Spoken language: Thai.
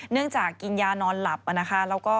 เนื่องจากกินยานอนหลับนะคะแล้วก็